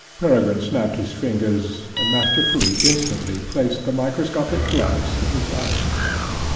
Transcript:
Peregrine snapped his fingers, and Master Flea instantly placed the microscopic glass in his eye.